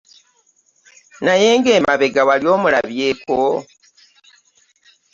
Naye ng’emabega wali omulabyeko?